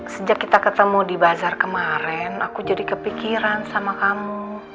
sejak kita ketemu di bazar kemarin aku jadi kepikiran sama kamu